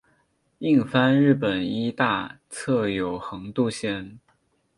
印幡日本医大侧有横渡线。